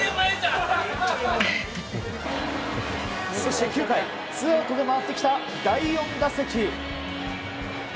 そして９回、ツーアウトで回ってきた第４打席。